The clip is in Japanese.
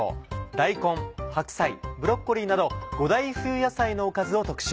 大根白菜ブロッコリーなど５大冬野菜のおかずを特集。